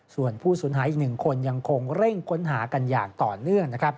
ส่วนผู้สูญหายอีก๑คนยังคงเร่งค้นหากันอย่างต่อเนื่อง